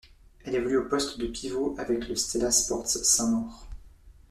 Elle évolue au poste de pivot avec le Stella Sports Saint-Maur.